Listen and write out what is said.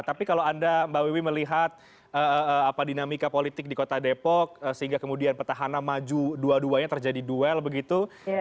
tapi kalau anda mbak wiwi melihat dinamika politik di kota depok sehingga kemudian petahana maju dua duanya terjadi duel begitu